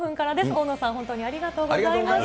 大野さん、本当にありがとうございました。